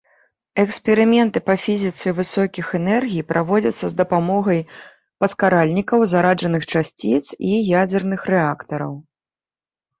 Эксперыменты па фізіцы высокіх энергій праводзяцца з дапамогай паскаральнікаў зараджаных часціц і ядзерных рэактараў.